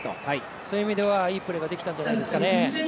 そういう意味では、いいプレーができたんじゃないですかね。